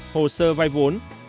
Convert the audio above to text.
hai hồ sơ vay vốn